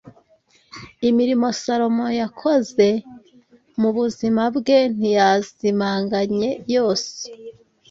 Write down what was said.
imirimo Salomo yakoze mu buzima bwe ntiyazimanganye yose